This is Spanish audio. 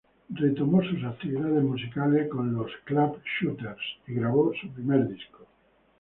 Retomó sus actividades musicales con los Clap Shooters y grabó su primer disco.